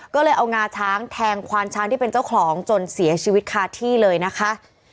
ก็เลยเอางาช้างแทงควานช้างที่เป็นเจ้าของจนเสียชีวิตคาที่เลยนะคะ